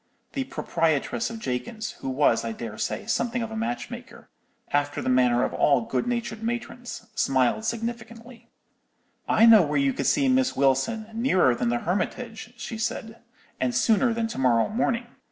"The proprietress of Jakins's, who was, I dare say, something of a matchmaker, after the manner of all good natured matrons, smiled significantly. "'I know where you could see Miss Wilson, nearer than the Hermitage,' she said, 'and sooner than to morrow morning.